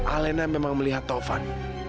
alena memang melihat taufan